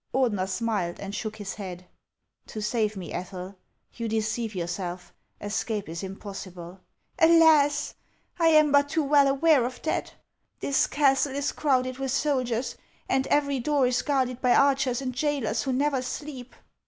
Ordener smiled, and shook his head. " To save me, Ethel ! You deceive yourself ; escape is impossible." " Alas ! I am but too well aware of that. This castle is crowded with soldiers, and every door is guarded by archers and jailers who never sleep."